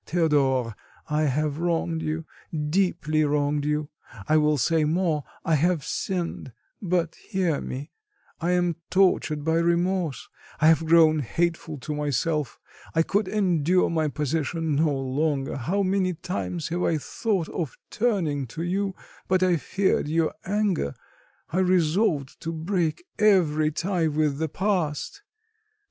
"Théodore, I have wronged you, deeply wronged you; I will say more, I have sinned: but hear me; I am tortured by remorse, I have grown hateful to myself, I could endure my position no longer; how many times have I thought of turning to you, but I feared your anger; I resolved to break every tie with the past....